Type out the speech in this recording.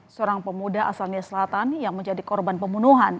seorang pemuda asalnya selatan yang menjadi korban pembunuhan